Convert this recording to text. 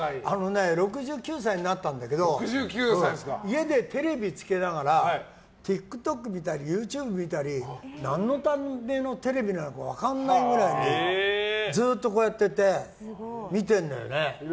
６９歳になったんだけど家でテレビつけながらＴｉｋＴｏｋ見たりＹｏｕＴｕｂｅ見たり何のためのテレビなのか分からないぐらいずっとこうやってて見てるんだよね。